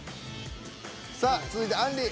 さあ続いてあんり。